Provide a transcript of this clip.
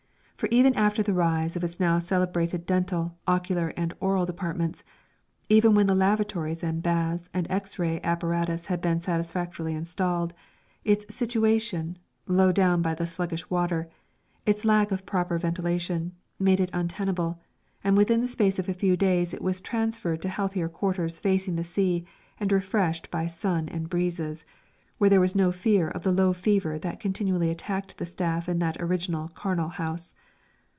For even after the rise of its now celebrated dental, ocular and aural departments, even when the lavatories and baths and X ray apparatus had been satisfactorily installed, its situation low down by the sluggish water its lack of proper ventilation, made it untenable, and within the space of a few days it was transferred to healthier quarters facing the sea and refreshed by sun and breezes, where there was no fear of the low fever that continually attacked the staff in that original charnel house.